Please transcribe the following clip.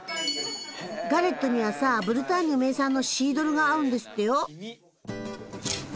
ガレットにはさブルターニュ名産のシードルが合うんですってよ。